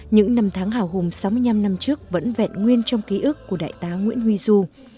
những năm tháng hào hùng sáu mươi năm năm trước vẫn vẹn nguyên trong ký ức của đại tá nguyễn huy du